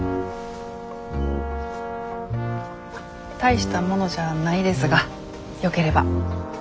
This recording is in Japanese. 大したものじゃないですがよければ。